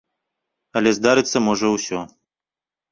Але здарыцца можа ўсё.